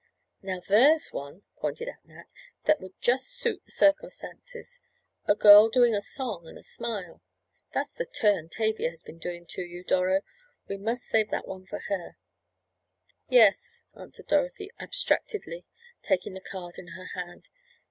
"Now there's one," pointed out Nat, "that would just suit the circumstances. A girl doing a song and a smile—that's the 'turn' Tavia has been doing to you, Doro. We must save that one for her." "Yes," answered Dorothy abstractedly, taking the card in her hand.